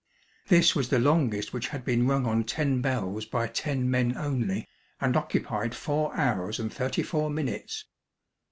This was the longest which had been rung on ten bells by ten men only, and occupied four hours and thirty four minutes.